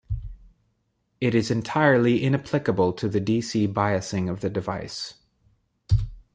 It is entirely inapplicable to the dc biasing of the device.